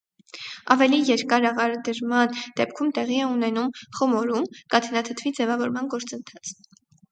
Ավելի երկար աղադրման դեպքում տեղի է ունենում խմորում՝ կաթնաթթվի ձևավորման գործընթաց։